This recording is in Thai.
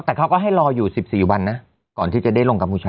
แต่เขาก็ให้รออยู่๑๔วันนะก่อนที่จะได้ลงกัมพูชา